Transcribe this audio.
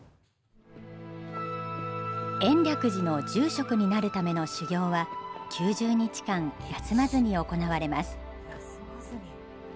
延暦寺の住職になるための修行は９０日間休まずに行われます。